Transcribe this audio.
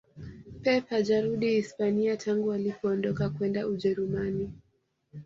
Pep hajarudi Hispania tangu alipoondoka kwenda ujerumani